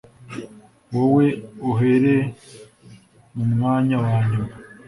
wowe uhere mu mwanya wa nyuma.